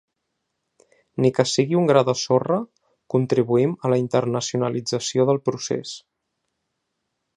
Ni que sigui un gra de sorra, contribuïm a la internacionalització del procés.